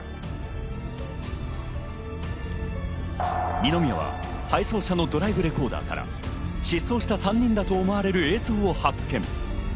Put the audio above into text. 二宮は配送車のドライブレコーダーから失踪した３人だと思われる映像を発見。